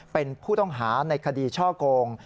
เป็นผู้ต้องหาในคดีช่อโกง